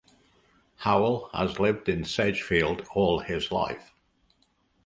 Howell has lived in Sedgefield all his life.